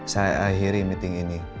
saya akhiri meeting ini